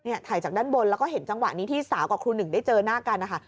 ถ่ายจากด้านบนแล้วก็เห็นจังหวะนี้ที่สาวกับครูหนึ่งได้เจอหน้ากันนะคะ